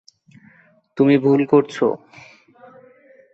তুমি ভুল করছো।